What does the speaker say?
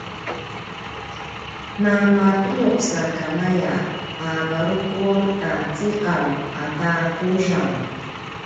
na mapeljuq sakamaya a varukur ta ciqaw ata quzang